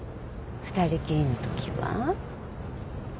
２人きりのときは？